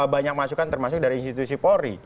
banyak masukan termasuk dari institusi polri